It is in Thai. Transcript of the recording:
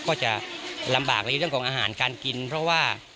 ก็จะลำบากในเรื่องของอาหารการกินเพราะว่า